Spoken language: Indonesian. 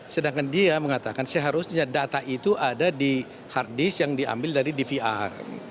sedangkan dia mengatakan seharusnya data itu ada di hard disk yang diambil dari dvr